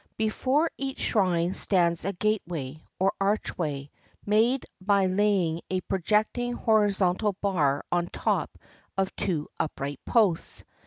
Before each shrine stands a gateway or archway, made by laying a projecting horizontal bar on top of two upright posts.